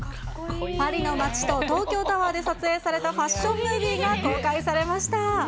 パリの街と東京タワーで撮影されたファッションムービーが公開されました。